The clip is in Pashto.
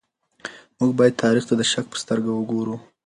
موږ بايد تاريخ ته د شک په سترګه وګورو.